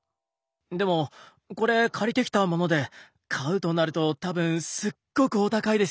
でもこれ借りてきたもので買うとなると多分すっごくお高いですよ。